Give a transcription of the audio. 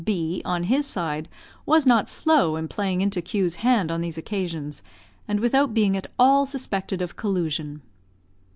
B , on his side, was not slow in playing into Q 's hand on these occasions, and without being at all suspected of collusion.